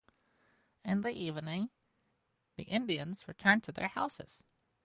In the evening, the Indians return to their houses.